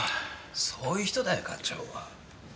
そういう人だよ課長は。